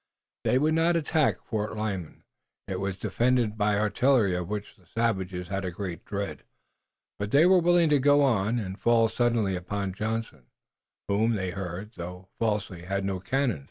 They would not attack Fort Lyman, as it was defended by artillery, of which the savages had a great dread, but they were willing to go on, and fall suddenly upon Johnson, who, they heard, though falsely, had no cannon.